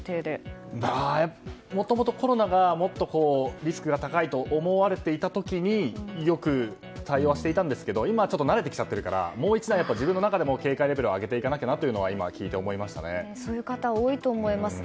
もともとコロナがリスクが高いと思われていた時に対応していたんですが今は慣れてきてるからもう一度、自分の中でも警戒レベルを上げようとそういう方多いと思います。